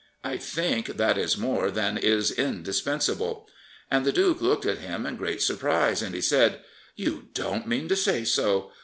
I think that is more than is indispens able." And the duke looked at him in great surprise, and he said; "You don't mean to say so!